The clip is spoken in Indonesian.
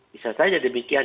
bisa saja demikian